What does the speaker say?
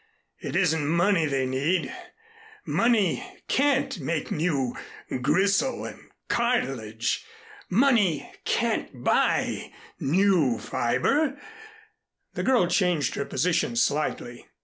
It isn't money they need. Money can't make new gristle and cartilage. Money can't buy new fiber." The girl changed her position slightly.